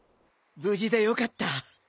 無事でよかった！